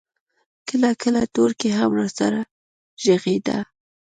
کله کله تورکى هم راسره ږغېده.